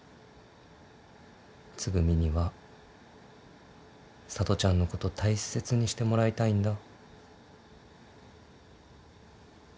つぐみにはさとちゃんのこと大切にしてもらいたいんだ。